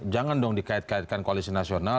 jangan dong dikait kaitkan koalisi nasional